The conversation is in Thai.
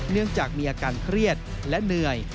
เนื่องจากมีอาการเครียดและเหนื่อย